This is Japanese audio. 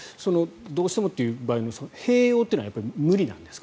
どうしてもっていう場合も併用というのは無理なんですか？